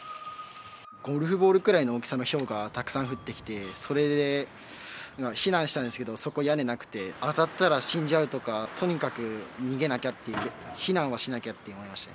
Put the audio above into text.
ゴルフボールぐらいの大きさのひょうがたくさん降ってきて、それで避難したんですけど、そこ、屋根なくて、当たったら死んじゃうとか、とにかく逃げなきゃって、避難はしなきゃって思いました。